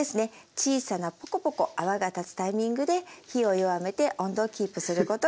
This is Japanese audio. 小さなポコポコ泡が立つタイミングで火を弱めて温度をキープすることが大事になります。